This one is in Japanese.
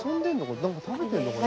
なんか食べてるのかな。